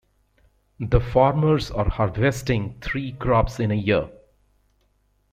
The farmers are harvesting three crops in a year.